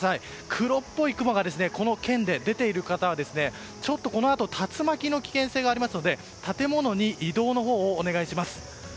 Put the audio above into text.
黒っぽい雲がこの県で出ている場合ちょっとこのあと竜巻の危険性がありますので建物に移動のほう、お願いします。